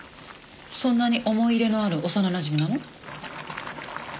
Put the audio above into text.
そんなに思い入れのある幼なじみなの？